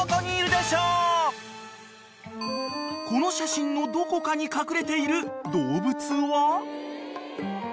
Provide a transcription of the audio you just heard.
［この写真のどこかに隠れている動物は？］